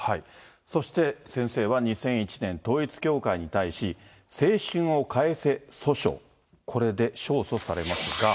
そして先生は２００１年、統一教会に対し、青春を返せ訴訟、これで勝訴されますが。